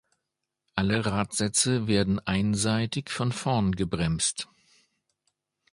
Alle Radsätze werden einseitig von vorn gebremst.